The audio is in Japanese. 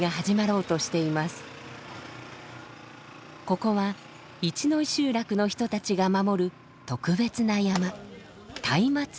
ここは一ノ井集落の人たちが守る特別な山松明山。